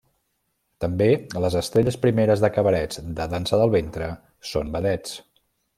També les estrelles primeres de cabarets de dansa del ventre són vedets.